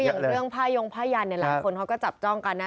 ก็อย่างเรื่องพ่ายงพ่ายันหลายคนเขาก็จับจ้องกันนะ